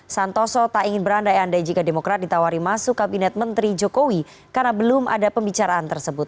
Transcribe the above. santoso tak ingin berandai andai jika demokrat ditawari masuk kabinet menteri jokowi karena belum ada pembicaraan tersebut